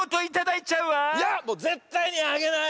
いやもうぜったいにあげない！